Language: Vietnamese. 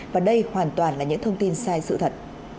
và đây hoàn toàn là những thông tin sai sự thật